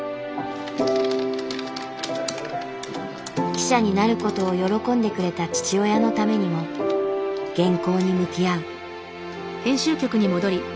記者になることを喜んでくれた父親のためにも原稿に向き合う。